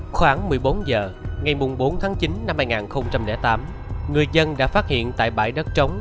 khoảng một mươi bốn h ngày bốn tháng chín năm hai nghìn tám người dân đã phát hiện tại bãi đất trống